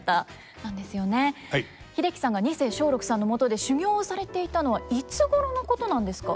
英樹さんが二世松緑さんのもとで修業をされていたのはいつごろのことなんですか？